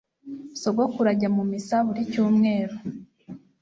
Sogokuru ajya mu misa buri cyumweru